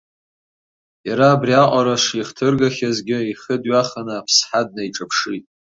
Иара абриаҟара шихҭыргахьазгьы, ихы дҩаханы аԥсҳа днаиҿаԥшит.